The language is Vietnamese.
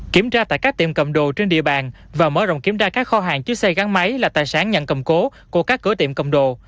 kiểm tra tại các tiệm cầm đồ trên địa bàn và mở rộng kiểm tra các kho hàng chứa xe gắn máy là tài sản nhận cầm cố của các cửa tiệm cầm đồ